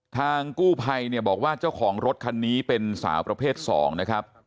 ทางกู้ภัยเนี่ยบอกว่าเจ้าของรถคันนี้เป็นสาวประเภท๒นะครับ